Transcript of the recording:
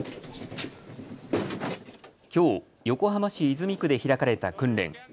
きょう横浜市泉区で開かれた訓練。